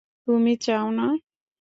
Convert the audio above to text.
তুমি চাও না?